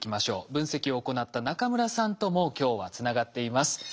分析を行った中村さんとも今日はつながっています。